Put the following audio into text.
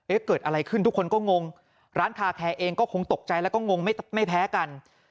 เกิดอะไรขึ้นทุกคนก็งงร้านคาแคร์เองก็คงตกใจแล้วก็งงไม่แพ้กัน